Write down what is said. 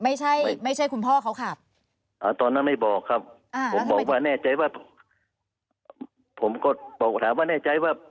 อ่าตอนนั้นไม่บอกครับอ่าผมบอกว่าแน่ใจว่าผมก็บอกถามว่าแน่ใจว่า